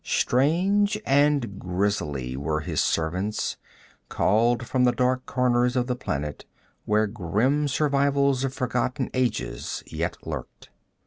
Strange and grisly were his servants, called from the dark corners of the planet where grim survivals of forgotten ages yet lurked.